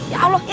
ya allah ini